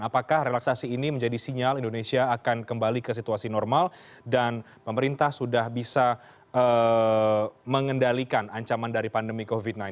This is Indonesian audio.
apakah relaksasi ini menjadi sinyal indonesia akan kembali ke situasi normal dan pemerintah sudah bisa mengendalikan ancaman dari pandemi covid sembilan belas